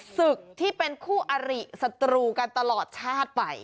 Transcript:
ศึกที่เป็นคู่อริสัตรูกันตลอดชาติไป